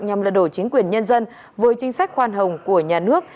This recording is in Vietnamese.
nhằm lật đổ chính quyền nhân dân với chính sách khoan hồng của nhà nước